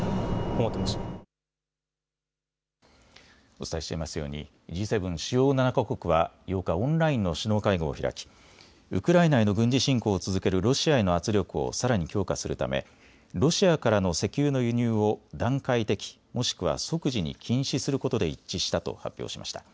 お伝えしていますようにＧ７・主要７か国は８日、オンラインの首脳会合を開きウクライナへの軍事侵攻を続けるロシアへの圧力をさらに強化するためロシアからの石油の輸入を段階的、もしくは即時に禁止することで一致したと発表しました。